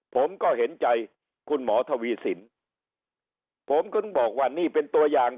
ผมก็เห็นใจคุณหมอทวีสินผมถึงบอกว่านี่เป็นตัวอย่าง